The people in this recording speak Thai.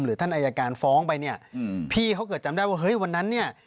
ท่านอายการฟ้องไปเนี่ยพี่เขาเกิดจำได้ว่าเฮ้ยวันนั้นเนี่ย